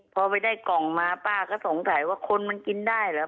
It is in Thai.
พอไปได้กล่องมาป้าก็สงสัยว่าคนมันกินได้เหรอ